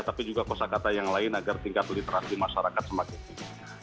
tapi juga kosa kata yang lain agar tingkat literasi masyarakat semakin tinggi